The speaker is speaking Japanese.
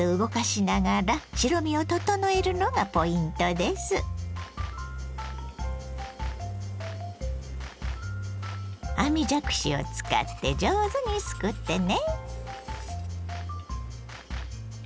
絶えず網じゃくしを使って上手にすくってね。